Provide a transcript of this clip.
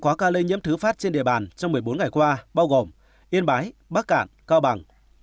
có ca lây nhiễm thứ phát trên địa bàn trong một mươi bốn ngày qua bao gồm yên bái bắc cạn cao bằng